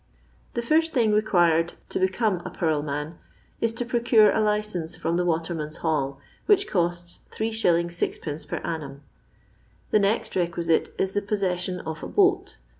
The first thingrequired to l^ecome a purl raan is to procure a licence from the Waterman's Hall, which costs 35. (id. per annum. The next requisite is the possession of a boat.